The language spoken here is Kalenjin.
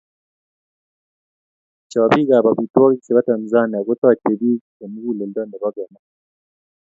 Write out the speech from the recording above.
Chobiikab amtwogiik chebo Tanzania kotochei biik eng muguleldo nebo kenem.